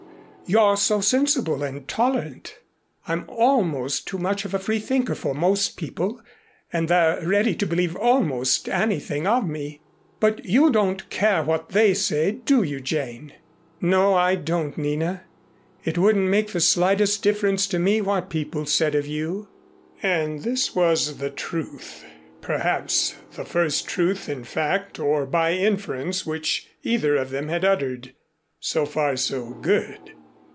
You're so sensible and tolerant. I'm almost too much of a freethinker for most people, and they're ready to believe almost anything of me. But you don't care what they say, do you, Jane?" "No, I don't, Nina. It wouldn't make the slightest difference to me what people said of you." And this was the truth, perhaps the first truth in fact or by inference which either of them had uttered. So far so good.